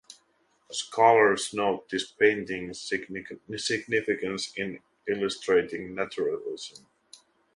Scholars note this painting's significance in illustrating naturalism.